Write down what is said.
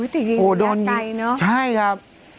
เห้ยโอ้โดนนะกลางไกลเนอะใช่ครับ